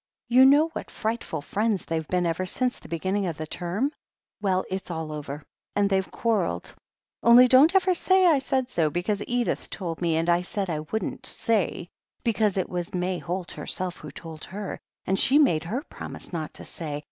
You know what frightful friends they've been ever since the beginning of the term? Well, it's all over, and they've quarrelled. Only don't ever say I said so because Edith told me, and I said I wouldn't say because it was May Holt herself who told her, and she made her promise not to say.